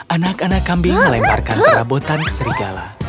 anak anak kambing melemparkan perabotan ke serigala